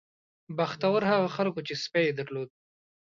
بختور هغه خلک وو چې سپی یې درلود.